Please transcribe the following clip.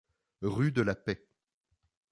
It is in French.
Rue de la Paix.